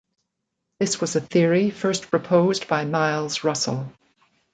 This was a theory first proposed by Miles Russell.